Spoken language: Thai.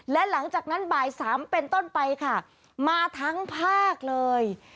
และหลังจากนั้นบ่ายสามเป็นต้นไปค่ะมาทั้งภาคเลย